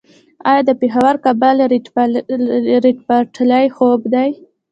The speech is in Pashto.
آیا د پیښور - کابل ریل پټلۍ خوب دی؟